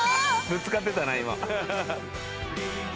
ぶつかってたな今。